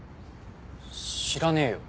知らねえよ。